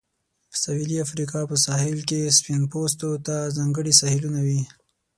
د سویلي افریقا په ساحل کې سپین پوستو ته ځانګړي ساحلونه وې.